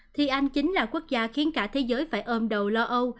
thì anh chính là quốc gia khiến cả thế giới phải ôm đầu lo âu